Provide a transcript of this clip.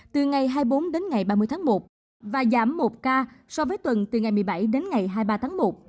từ ngày hai mươi bốn đến ngày ba mươi tháng một và giảm một ca so với tuần từ ngày một mươi bảy đến ngày hai mươi ba tháng một